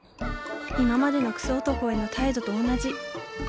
今までのクソ男への態度と同じ。